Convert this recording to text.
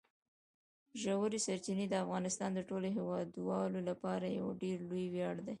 ژورې سرچینې د افغانستان د ټولو هیوادوالو لپاره یو ډېر لوی ویاړ دی.